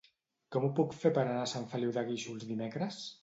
Com ho puc fer per anar a Sant Feliu de Guíxols dimecres?